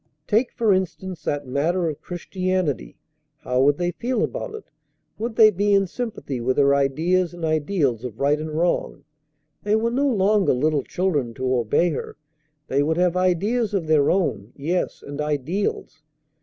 Take, for instance, that matter of Christianity. How would they feel about it? Would they be in sympathy with her ideas and ideals of right and wrong? They were no longer little children to obey her. They would have ideas of their own, yes, and ideals.